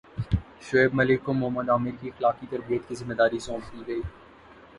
شعیب ملک کو محمد عامر کی اخلاقی تربیت کی ذمہ داری سونپ دی گئی